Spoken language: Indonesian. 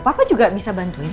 papa juga bisa bantuin